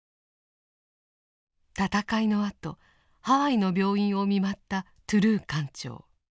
戦いのあとハワイの病院を見舞ったトゥルー艦長。